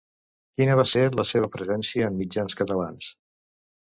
Quina va ser la seva presència en mitjans catalans?